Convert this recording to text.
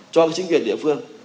cho chính quyền địa phương